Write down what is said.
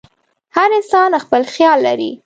هر انسان خپل خیال لري.